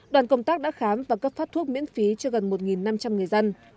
đoàn công tác đã khám và cấp phát thuốc miễn phí cho gần một năm trăm linh người dân